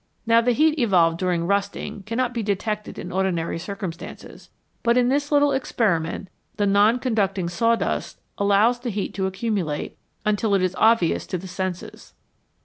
Now the heat evolved during rusting cannot be detected in ordinary circum stances, but in this little experiment the non conduct ing sawdust allows the heat to accumulate until it is obvious to the senses.